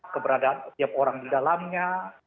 keberadaan setiap orang di dalamnya